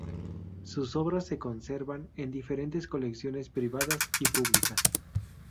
Sus obras se conservan en diferentes colecciones privadas y públicas.